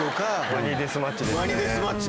ワニデスマッチですね。